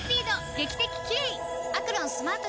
劇的キレイ！